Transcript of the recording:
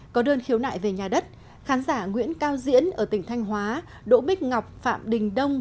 có đơn khiếu nại về nhà đất khán giả nguyễn cao diễn ở tỉnh thanh hóa đỗ bích ngọc phạm đình đông